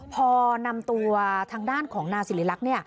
พอนำตัวทางด้านของนางสิริรักษ์